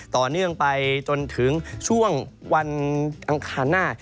ต่อเนื่องไปจนถึงช่วงวันอังคารหน้า